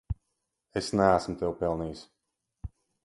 Es neesmu tevi pelnījis.